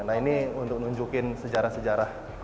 nah ini untuk nunjukin sejarah sejarah